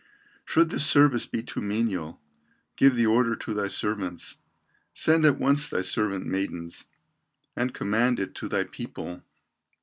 "Should this service be too menial Give the order to thy servants, Send at once thy servant maidens, And command it to thy people.